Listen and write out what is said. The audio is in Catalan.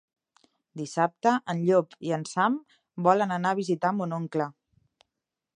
Dissabte en Llop i en Sam volen anar a visitar mon oncle.